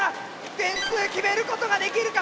点数決めることができるか⁉